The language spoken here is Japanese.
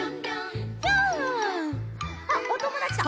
あっおともだちだ。